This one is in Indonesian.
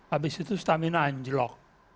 habis itu stamina anjlok